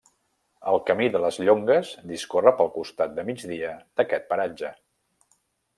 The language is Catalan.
El Camí de les Llongues discorre pel costat de migdia d'aquest paratge.